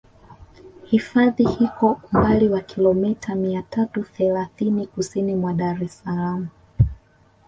Hifadhi iko umbali wa kilometa mia tatu thelathini kusini mwa Dar es Salaam